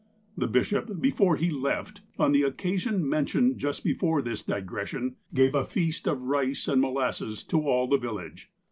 The bishop, before he left, on the occasion mentioned just before this digression, gave a feast of rice and mo lasses to all the village.